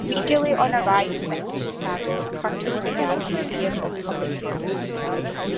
Almost immediately on arrival into Chicago, Curtiss began a career of public service.